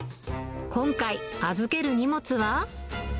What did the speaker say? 今回、預ける荷物は？